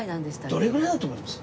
どれぐらいだと思います？